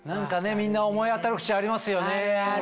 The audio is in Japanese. みんな思い当たる節ありますよね。